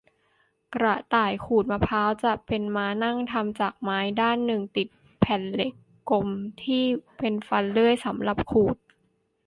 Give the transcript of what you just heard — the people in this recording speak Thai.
กระต่ายขูดมะพร้าว จะเป็นม้านั่งทำจากไม้ ด้านหนึ่งติดแผ่นเหล็กกลมที่เป็นฟันเลื่อย สำหรับขูด